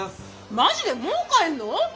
マジでもう帰んの！？